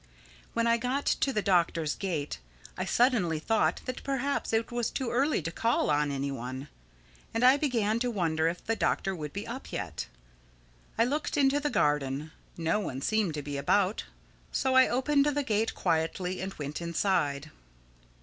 When I got to the Doctor's gate I suddenly thought that perhaps it was too early to call on any one: and I began to wonder if the Doctor would be up yet. I looked into the garden. No one seemed to be about. So I opened the gate quietly and went inside.